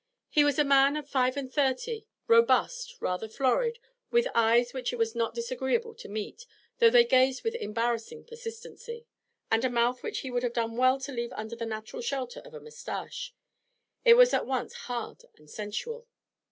He was a man of five and thirty, robust, rather florid, with eyes which it was not disagreeable to meet, though they gazed with embarrassing persistency, and a mouth which he would have done well to leave under the natural shelter of a moustache; it was at once hard and sensual.